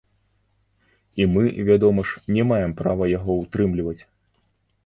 І мы, вядома ж, не маем права яго ўтрымліваць.